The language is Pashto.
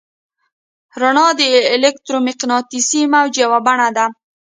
رڼا د الکترومقناطیسي موج یوه بڼه ده.